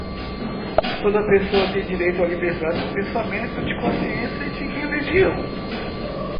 Toda a pessoa tem direito à liberdade de pensamento, de consciência e de religião;